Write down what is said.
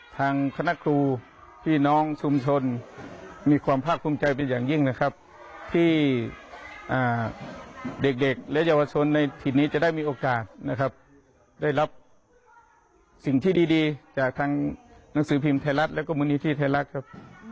ทางคณะครูพี่น้องชุมชนมีความภาคภูมิใจเป็นอย่างยิ่งนะครับที่เด็กและเยาวชนในถิ่นนี้จะได้มีโอกาสนะครับได้รับสิ่งที่ดีจากทางหนังสือพิมพ์ไทยรัฐแล้วก็มูลนิธิไทยรัฐครับ